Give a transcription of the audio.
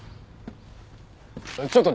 ちょっと！